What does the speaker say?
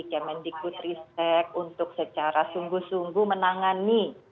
kemendiku tristek untuk secara sungguh sungguh menangani